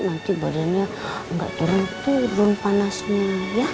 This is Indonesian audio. nanti badannya gak turun turun panasnya ya